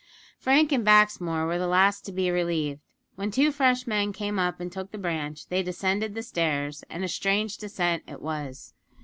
Frank and Baxmore were the last to be relieved. When two fresh men came up and took the branch they descended the stairs, and a strange descent it was.